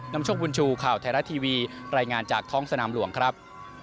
น้ำชกบุญชูข่าวแถร่าทีวีรายงานจากท้องสนามหลวงครับ